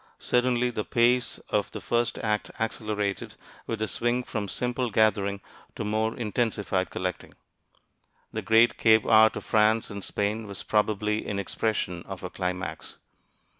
Certainly the pace of the first act accelerated with the swing from simple gathering to more intensified collecting. The great cave art of France and Spain was probably an expression of a climax.